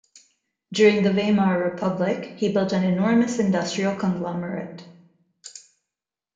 During the Weimar Republic, he built an enormous industrial conglomerate.